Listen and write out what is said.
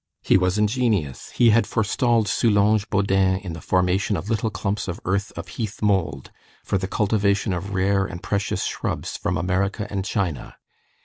He was ingenious; he had forestalled Soulange Bodin in the formation of little clumps of earth of heath mould, for the cultivation of rare and precious shrubs from America and China.